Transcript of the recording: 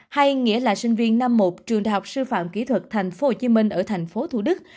hay nghĩa là sinh viên năm một trường đại học sư phạm kỹ thuật thành phố hồ chí minh ở thành phố thủ đức